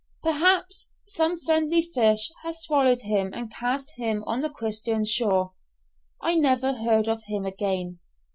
Perhaps some friendly fish has swallowed him and cast him on a Christian shore! I never heard of him again.